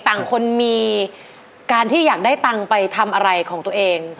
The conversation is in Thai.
ต่างคนมีการที่อยากได้ตังค์ไปทำอะไรของตัวเอง